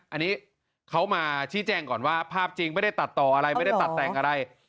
อันนี้เขามาชี้แจงก่อนว่าภาพจริงไม่ได้ตัดต่ออะไรไม่ได้ตัดแต่งอะไร